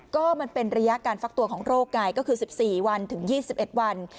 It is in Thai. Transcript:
ก็มันเป็นระยะการฟักตัวของโรคไงก็คือ๑๔วันถึง๒๑วัน